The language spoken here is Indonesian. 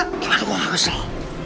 tidak gue gak kesel